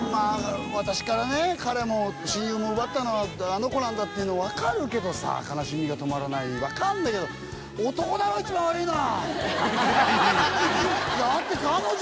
私からね彼も親友も奪ったのはあの子なんだっていうのは分かるけどさ悲しみがとまらない分かるんだけどだってだよな！